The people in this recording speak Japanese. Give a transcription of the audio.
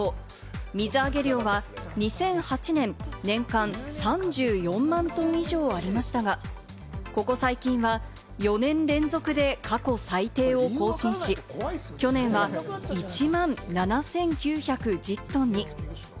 水揚げ量は２００８年、年間３４万トン以上ありましたが、ここ最近は４年連続で過去最低を更新し、去年は１万７９１０トンに。